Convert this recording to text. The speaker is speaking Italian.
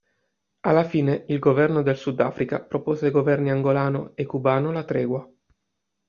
Alla fine il governo del Sudafrica propose ai governi angolano e cubano la tregua.